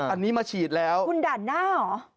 อันนี้มาฉีดแล้วคุณด่านหน้าเหรอ